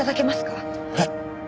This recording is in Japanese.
えっ？